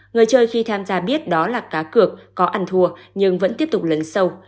người chơi khi tham gia biết đó là cá cược có ăn thua nhưng vẫn tiếp tục lấn sâu